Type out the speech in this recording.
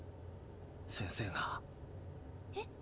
先生が。え？